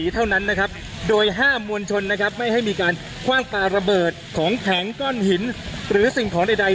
ทางกลุ่มมวลชนทะลุฟ้าทางกลุ่มมวลชนทะลุฟ้า